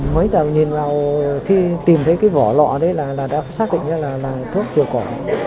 mấy tàu nhìn vào khi tìm thấy cái vỏ lọ đấy là đã xác định là thuốc triều cỏ